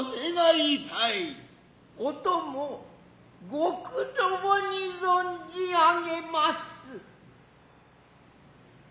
お供御苦労に存じ上げます。